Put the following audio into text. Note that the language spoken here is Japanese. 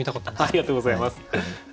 ありがとうございます。